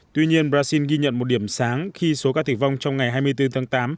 tuy nhiên brazil ghi nhận một điểm sáng khi số ca tử vong trong ngày hai mươi bốn tháng tám